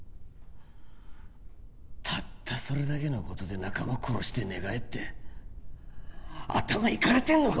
たったそれだけのことで仲間殺して寝返って頭イカれてんのか？